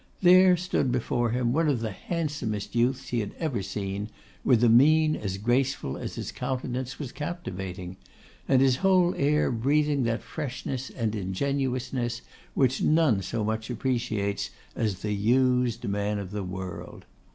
There stood before him one of the handsomest youths he had ever seen, with a mien as graceful as his countenance was captivating; and his whole air breathing that freshness and ingenuousness which none so much appreciates as the used man of the world.